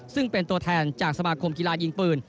ซึ่งเป็นตัวแทนจากสมาคมกีฬายิงปืน